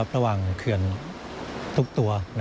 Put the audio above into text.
ระหว่างเขือนทุกตัว